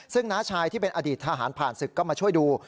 ซึ่งน้าชายที่เป็นอดีตทหารผ่านศึกก็มาช่วยดู